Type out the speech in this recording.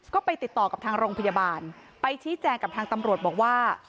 ก็ไปติดต่อกับทางโรงพยาบาลไปชี้แจงกับทางตำรวจบอกว่า